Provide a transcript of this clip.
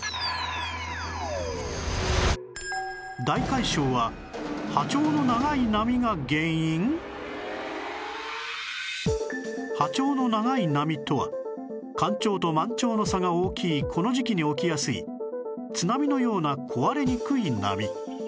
大海嘯は波長の長い波とは干潮と満潮の差が大きいこの時期に起きやすい津波のような壊れにくい波